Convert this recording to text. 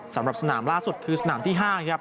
สำหรับสนามล่าสุดคือสนามที่๕ครับ